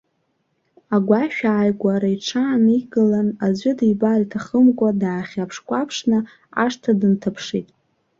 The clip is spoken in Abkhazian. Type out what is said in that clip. Агәашә ааигәара иҽааникылан, аӡәы дибар иҭахымкәа, даахьаԥшкәаԥшны, ашҭа дынҭаԥшит.